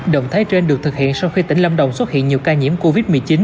động thái trên được thực hiện sau khi tỉnh lâm đồng xuất hiện nhiều ca nhiễm covid một mươi chín